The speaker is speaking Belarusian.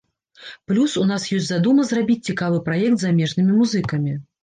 Плюс, у нас ёсць задума зрабіць цікавы праект з замежнымі музыкамі.